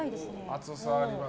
厚さあります。